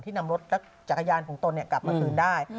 นำรถและจักรยานของตนกลับมาคืนได้